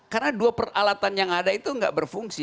karena dua peralatan yang ada itu nggak berfungsi